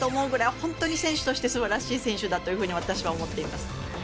本当に選手として素晴らしい選手だと思っています。